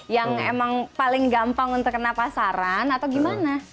yang emang paling gampang untuk kena pasaran atau gimana